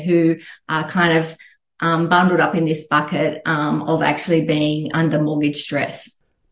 yang terbunuh di bukit ini sebenarnya dengan stress mortgage